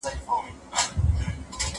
زه اوس تمرين کوم.